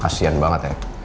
kasian banget ya